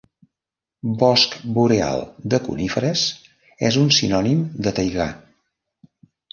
Bosc boreal de coníferes és un sinònim de taigà.